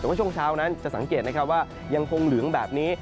แต่ว่าช่วงเช้านั้นจะสังเกตนะครับว่ายังคงเหลืองแบบนี้